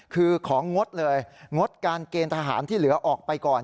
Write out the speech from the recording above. คือของงดเลยงดการเกณฑ์ทหารที่เหลือออกไปก่อน